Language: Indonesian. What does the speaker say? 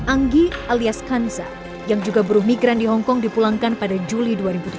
anggi alias kanza yang juga buruh migran di hongkong dipulangkan pada juli dua ribu tujuh belas